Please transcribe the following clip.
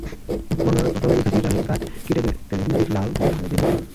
প্রণালিখাসির রানের গাঁট কেটে তেলে দুই পিঠ লাল করে ভেজে নিতে হবে।